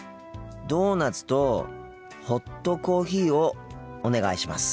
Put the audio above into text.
ドーナツとホットコーヒーをお願いします。